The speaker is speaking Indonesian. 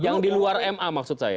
yang di luar ma maksud saya